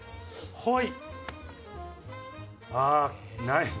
はい！